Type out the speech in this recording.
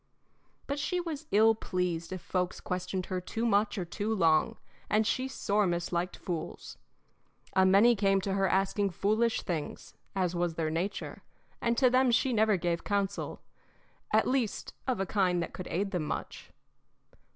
But she was ill pleased if folks questioned her too much or too long, and she sore misliked fools. A many came to her asking foolish things, as was their nature, and to them she never gave counsel at least of a kind that could aid them much.